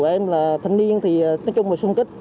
tụi em là thanh niên thì nói chung là xung kết